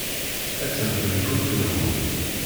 Attan tenfult-nwen.